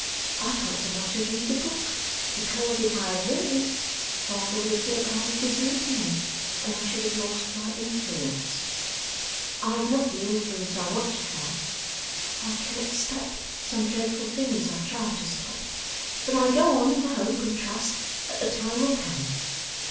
I can't so much as read a book, because, if I had learned, father would have thought I was deserting him, and I should have lost my influence. I have not the influence I want to have, I cannot stop some dreadful things I try to stop, but I go on in the hope and trust that the time will come.